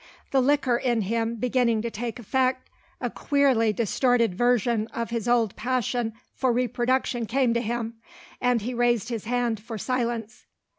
The liquor in him beginning to take effect, a queerly distorted version of his old passion for reproduction came to him and he raised his hand for silence.